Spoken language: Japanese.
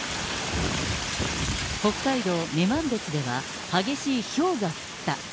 北海道女満別では、激しいひょうが降った。